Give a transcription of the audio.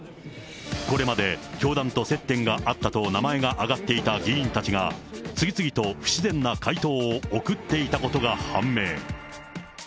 これまで教団と接点があったと名前が挙がっていた議員たちが、次々と不自然な回答を送っていたことが判明。